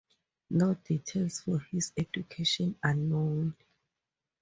No details of his education are known.